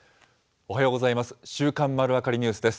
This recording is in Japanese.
おはようございます。